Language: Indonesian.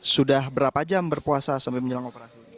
sudah berapa jam berpuasa sampai menjelang operasi